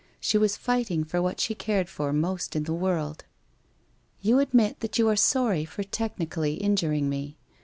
She was fighting for what she cared for most in the world. ' You admit that you are sorry for technically injuring me!